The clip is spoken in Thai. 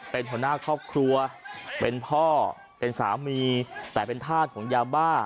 เป็นหัวหน้าครอบครัวเป็นพ่อเป็นสามีแต่เป็นธาตุของยาบ้า